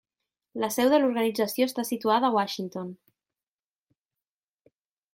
La seu de l'organització està situada a Washington.